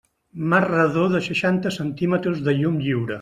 Marc redó de seixanta centímetres de llum lliure.